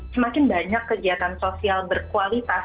semakin banyak kegiatan sosial berkualitas